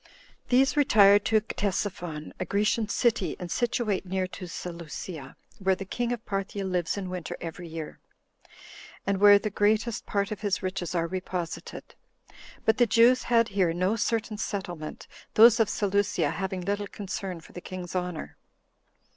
These retired to Ctesiphon, a Grecian city, and situate near to Seleucia, where the king [of Parthia] lives in winter every year, and where the greatest part of his riches are reposited; but the Jews had here no certain settlement, those of Seleucia having little concern for the king's honor.